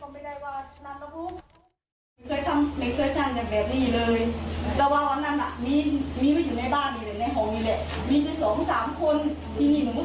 แม่ก็ไม่ต้องเหมือนกันหรอก